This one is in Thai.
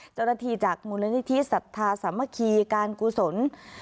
เจ้าหน้าที่จากมูลนิธิสัทธาสามัคคีการกุศล